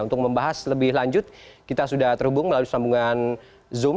untuk membahas lebih lanjut kita sudah terhubung melalui sambungan zoom